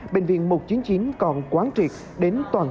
bệnh viện một trăm chín mươi chín còn quán triệt